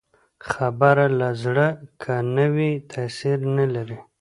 خبره له زړه که نه وي، تاثیر نه لري